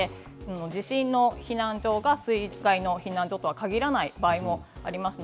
地震の避難所が水害の避難所とは限らない場合があります。